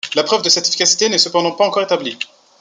La preuve de cette efficacité n'est cependant pas encore établie.